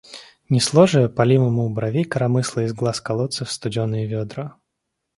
Несло же, палимому, бровей коромысло из глаз колодцев студеные ведра.